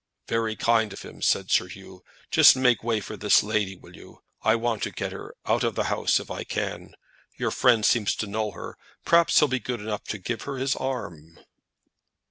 "Very kind of him," said Sir Hugh. "Just make way for this lady, will you? I want to get her out of the house if I can. Your friend seems to know her; perhaps he'll be good enough to give her his arm."